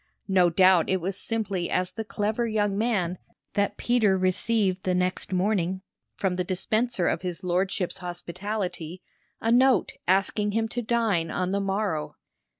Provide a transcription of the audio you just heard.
No doubt it was simply as the clever young man that Peter received the next morning, from the dispenser of his lordship's hospitality, a note asking him to dine on the morrow.